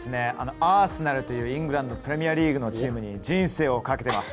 アーセナルというイングランドプレミアリーグのチームに人生をかけてます。